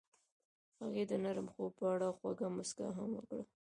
هغې د نرم خوب په اړه خوږه موسکا هم وکړه.